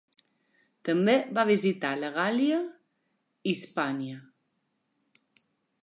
També va visitar la Gàl·lia i Hispània.